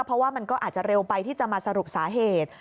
เพราะว่ามันก็อาจจะเร็วไปที่จะมาสรุปสาเหตุ